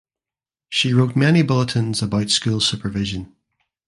She wrote many bulletins about school supervision.